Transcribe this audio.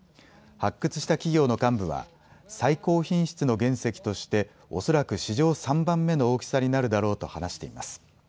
発掘した企業の幹部は最高品質の原石として、恐らく史上３番目の大きさになるだろうと話しています。